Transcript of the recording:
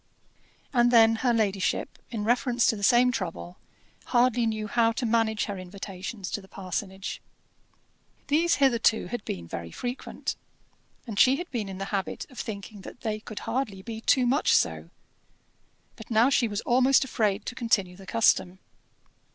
And then her ladyship, in reference to the same trouble, hardly knew how to manage her invitations to the parsonage. These hitherto had been very frequent, and she had been in the habit of thinking that they could hardly be too much so; but now she was almost afraid to continue the custom.